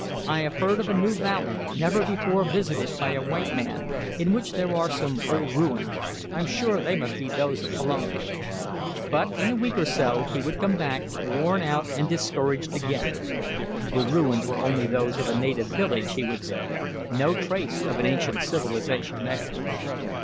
"I have heard of a new valley, never before visited by a white man, in which there are some old ruins. I'm sure they must be those of Pelone." But in a week or so he would come back, worn out and discouraged again. "The ruins were only those of a native village," he would say. "No trace of an ancient civilization there."